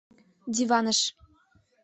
— Диваныш.